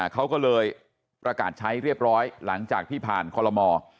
เขาก็เลยประกาศใช้เรียบร้อยหลังจากที่ผ่านคอลโลมอร์